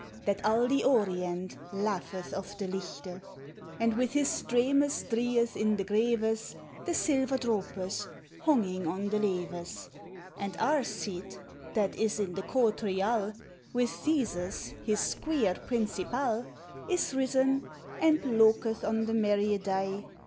That al the orient laugheth of the Lighte, And with his streines dryeth in the grevefl t The silver dropes, hongyng on the leev< And Arcite, that is in the courl ryal With Theseus, his squyer principal, Is risen, and loketli on the merye day.